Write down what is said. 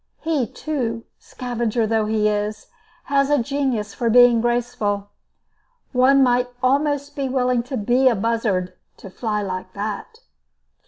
He, too, scavenger though he is, has a genius for being graceful. One might almost be willing to be a buzzard, to fly like that!